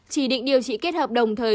chỉ định điều trị kết hợp đồng thời